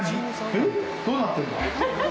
えっ、どうなってんの？